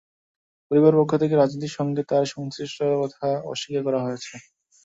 পরিবারের পক্ষ থেকে রাজনীতির সঙ্গে তাঁর সংশ্লিষ্টতার কথা অস্বীকার করা হয়েছে।